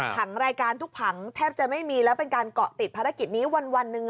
ถังรายการทุกผังแทบจะไม่มีแล้วเป็นการเกาะติดภารกิจนี้วันหนึ่ง